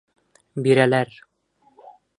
Бирәләр!